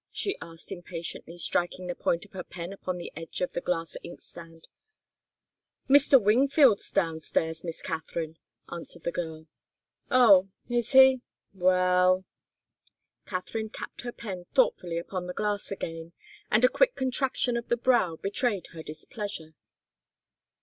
she asked, impatiently striking the point of her pen upon the edge of the glass inkstand. "Mr. Wingfield's downstairs, Miss Katharine," answered the girl. "Oh is he? Well " Katharine tapped her pen thoughtfully upon the glass again, and a quick contraction of the brow betrayed her displeasure.